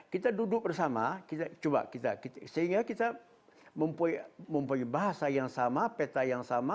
kita duduk bersama kita coba sehingga kita mempunyai bahasa yang sama peta yang sama